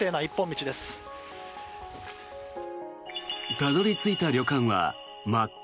たどり着いた旅館は真っ暗。